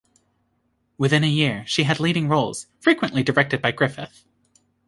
Within a year, she had leading roles, frequently directed by Griffith.